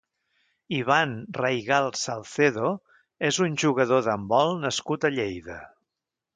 Iván Raigal Salcedo és un jugador d'handbol nascut a Lleida.